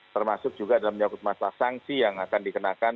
termasuk juga dalam menyangkut masalah sanksi yang akan dikenakan